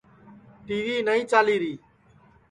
ٹی وی نائی چالیری